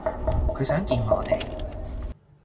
佢想見我哋